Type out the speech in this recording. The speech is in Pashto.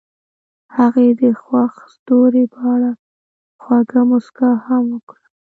هغې د خوښ ستوري په اړه خوږه موسکا هم وکړه.